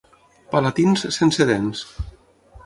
Palatins sense dents.